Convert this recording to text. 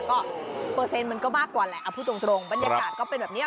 ก็เปอร์เซ็นต์มันก็มากกว่าแหละพูดตรงบรรยากาศก็เป็นแบบนี้